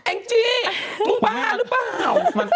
งจี้มึงบ้าหรือเปล่า